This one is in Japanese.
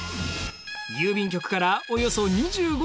郵便局からおよそ２５キロ。